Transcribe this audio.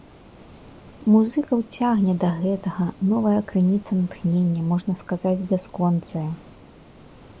Музыкаў цягне да гэтага, новая крыніца натхнення, можна сказаць, бясконцая.